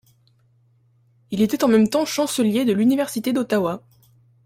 Il était en même temps chancelier de l'université d'Ottawa.